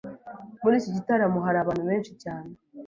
Muri iki gitaramo hari abantu benshi cyane.